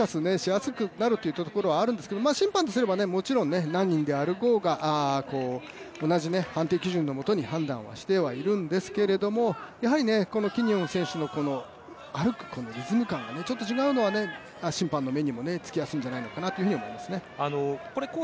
やはり一つにフォーカスしやすくなるというところはあるんですけど審判とすればもちろん何人で歩こうが同じ判定基準の下に判断はしているんですけれどもやはりキニオン選手の歩くリズム感がちょっと違うのは審判の目にもつきやすいのかなと思いますね。